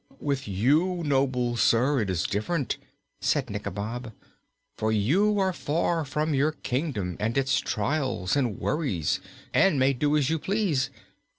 "With you, noble sir, it is different," said Nikobob, "for you are far from your kingdom and its trials and worries and may do as you please.